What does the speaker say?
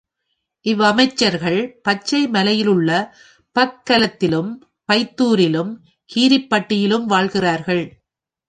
இவ்வமைச்சர்கள் பச்சை மலையிலுள்ள பக்கலத்திலும், பைத்தூரிலும், கீரிப்பட்டியிலும் வாழ்கிறார்கள்.